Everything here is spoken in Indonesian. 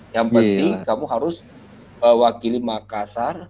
yang penting kamu harus wakili makassar